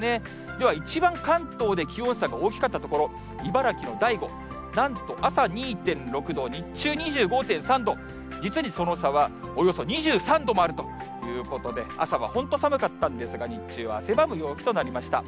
では一番関東で気温差が大きかった所、茨城の大子、なんと朝２．６度、日中２５．３度、実にその差はおよそ２３度もあるということで、朝は本当、寒かったんですが、日中は汗ばむ陽気となりました。